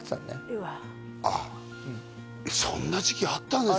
うわああそんな時期あったんですか？